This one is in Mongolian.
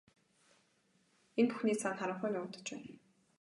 Энэ бүхний цаана харанхуй нуугдаж байна.